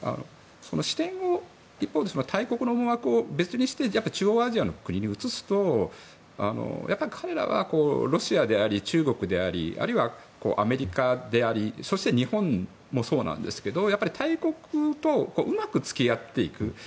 一方で、大国の思惑を別にしてやっぱり中央アジアの国に移すと彼らはロシアであり中国でありあるいはアメリカでありそして、日本もそうなんですけど大国とうまく付き合っていく。